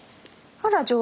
ほら。